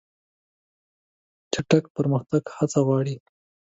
چټک پرمختګ هڅه غواړي.